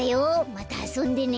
またあそんでね。